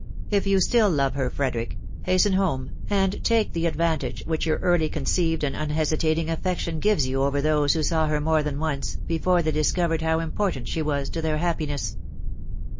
if you still love her, Frederick, hasten home, and take the advantage which your early conceived and unhesitating affection gives you over those who saw her more than once, before they disco vered how important she was to their happiness.